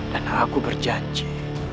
dan aku berjanji